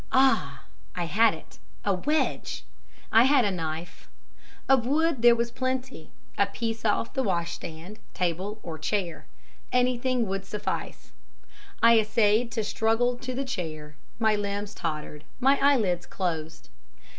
Ah! I had it a wedge! I had a knife. Of wood there was plenty a piece off the washstand, table, or chair. Anything would suffice. I essayed to struggle to the chair, my limbs tottered, my eyelids closed.